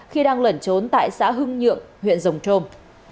khi đang lẩn trốn tại xã hưng nhượng huyện rồng trôm